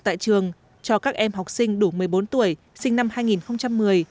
tại trường cho các em học sinh đủ một mươi bốn tuổi sinh năm hai nghìn một mươi